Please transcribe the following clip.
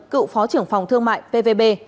cựu phó trưởng phòng thương mại pvb